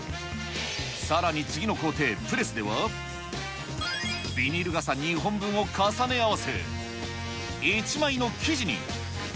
さらに次の工程、プレスでは、ビニール傘２本分を重ね合わせ、１枚の生地に。